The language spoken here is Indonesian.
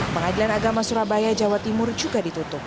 pengadilan agama surabaya jawa timur juga ditutup